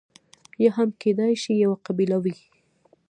یا هم کېدای شي یوه قبیله وي.